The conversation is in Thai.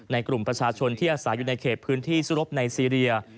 กลุ่มประชาชนที่อาศัยอยู่ในเขตพื้นที่สู้รบในซีเรีย